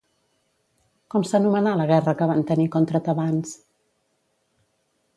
Com s'anomenà la guerra que van tenir contra tebans?